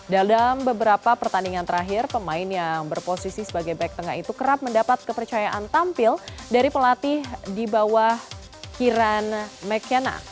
dalam beberapa pertandingan terakhir pemain yang berposisi sebagai back tengah itu kerap mendapat kepercayaan tampil dari pelatih di bawah kiran mccana